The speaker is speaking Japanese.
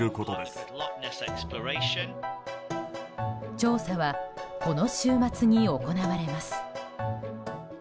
調査はこの週末に行われます。